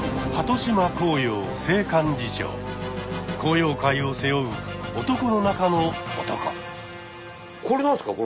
昂揚会を背負う男の中の男。